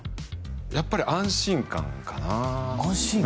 やっぱり安心感かな安心感？